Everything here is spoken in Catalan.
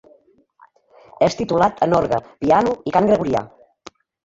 És titulat en orgue, piano i cant gregorià.